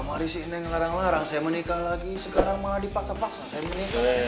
kamari sih neng larang larang saya menikah lagi sekarang malah dipaksa paksa saya menikah